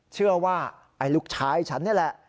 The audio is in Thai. เชื่อว่าไอ้ลูกชายฉันนี่แหละ